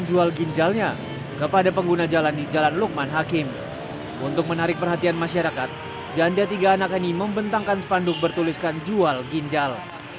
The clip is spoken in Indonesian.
untuk menarik perhatian masyarakat janda tiga anak ini membentangkan spanduk bertuliskan jual ginjal